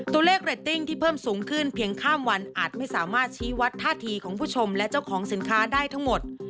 ตัวเลขเรตติ้งที่เพิ่มสูงขึ้นเพียงข้ามวันอาจไม่สามารถชี้วัดท่าทีของผู้ชมและเจ้าของสินค้าได้ทั้งหมด